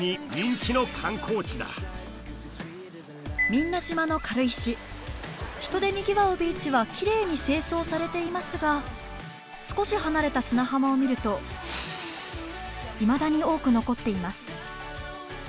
水納島の軽石人でにぎわうビーチはきれいに清掃されていますが少し離れた砂浜を見るといまだに多く残っています。